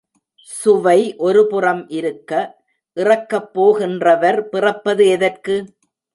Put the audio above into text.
சுவை ஒருபுறம் இருக்க, இறக்கப் போகின்றவர் பிறப்பது எதற்கு?